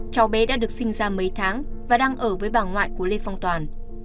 cháu bé đã được sinh ra mấy tháng và đang ở với bà ngoại của lê phong toàn